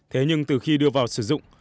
thế nhưng từ khi đưa vào sử dụng